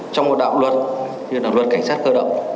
trong một đạo luật như là luật cảnh sát cơ động